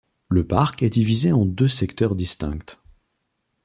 Le parc est divisé en deux secteurs distincts.